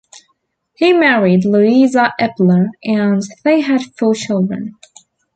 He married Louisa Epler and they had four children.